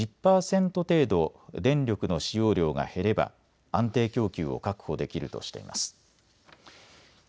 １０パーセント程度電力の使用量が減れば安定供給を確保できるとしています。